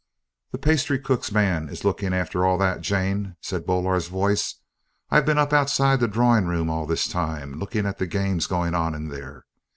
"The pastrycook's man is looking after all that, Jane," said Boaler's voice. "I've been up outside the droring room all this time, lookin' at the games goin' on in there.